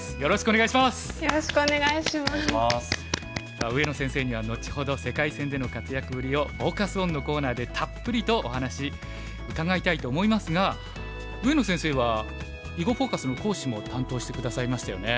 さあ上野先生には後ほど世界戦での活躍ぶりをフォーカス・オンのコーナーでたっぷりとお話伺いたいと思いますが上野先生は「囲碁フォーカス」の講師も担当して下さいましたよね。